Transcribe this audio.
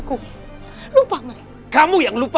kita langsung ke dokter